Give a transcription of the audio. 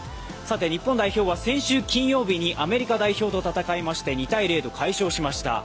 日本代表は先週金曜日にアメリカ代表と戦いまして２−０と大勝しました。